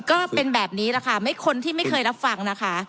ก็เป็นแบบนี้แหละค่ะไม่คนที่ไม่เคยรับฟังนะคะ